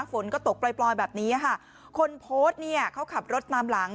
ฝนก็ตกปล่อยปล่อยแบบนี้ค่ะคนโพสต์เนี่ยเขาขับรถตามหลัง